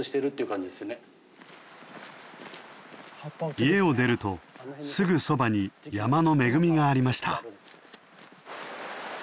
家を出るとすぐそばに山の恵みがありました。